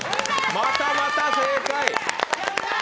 またまた正解。